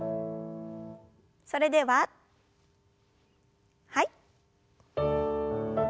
それでははい。